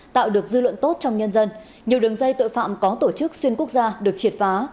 tạo được dư luận tốt trong nhân dân nhiều đường dây tội phạm có tổ chức xuyên quốc gia được triệt phá